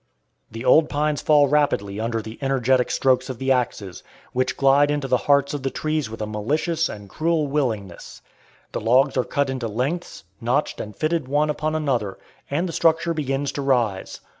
The old pines fall rapidly under the energetic strokes of the axes, which glide into the hearts of the trees with a malicious and cruel willingness; the logs are cut into lengths, notched and fitted one upon another, and the structure begins to rise.